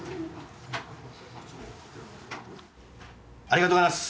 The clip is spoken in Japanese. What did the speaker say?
ありがとうございます！